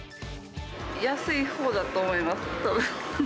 安いほうだと思います。